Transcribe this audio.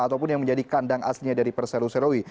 ataupun yang menjadi kandang aslinya dari perseru serui